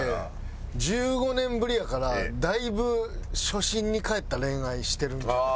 １５年ぶりやからだいぶ初心に帰った恋愛してるんじゃない？